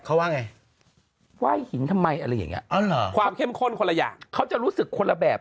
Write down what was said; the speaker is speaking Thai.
เขาว่าไงไหว้หินทำไมอะไรอย่างเงี้อ๋อเหรอความเข้มข้นคนละอย่างเขาจะรู้สึกคนละแบบ